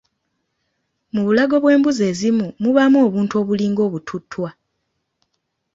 Mu bulago bw'embuzi ezimu mubaamu obuntu obulinga obututtwa.